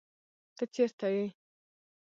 ته چرته یې؟